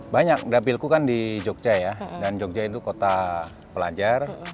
banyak dapilku kan di jogja ya dan jogja itu kota pelajar